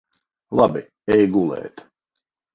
Labi. Ej gulēt.